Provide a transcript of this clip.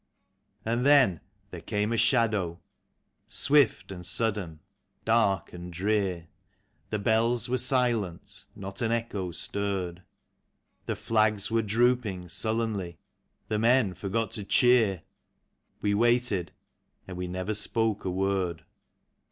And then there came a shadow, swift and sudden, dark and drear; The bells were silent, not an echo stirred. The flags were drooping sullenly, the men forgot to cheer ; We waited, and we never spoke a word. THE MARCH OF THE DEAD.